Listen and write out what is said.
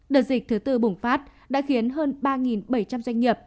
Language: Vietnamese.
đợt dịch thứ tư bùng phát đã khiến hơn ba bảy trăm linh doanh nghiệp